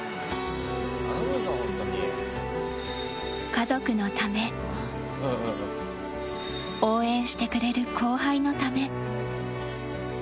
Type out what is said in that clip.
家族のため応援してくれる後輩のため。